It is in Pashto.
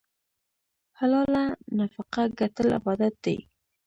حلاله نفقه ګټل عبادت دی.